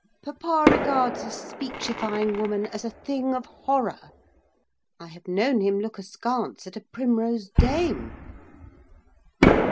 Papa regards a speechifying woman as a thing of horror, I have known him look askance at a Primrose Dame.